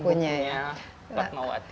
di bukunya fatmawati